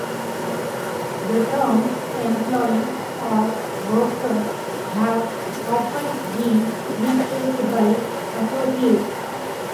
The terms "employee" or "worker" have often been replaced by "associate".